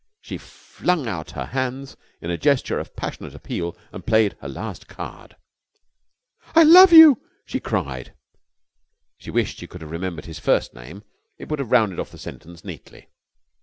She flung out her hands, in a gesture of passionate appeal, and played her last card. "I love you!" she cried. She wished she could have remembered his first name. It would have rounded off the sentence neatly.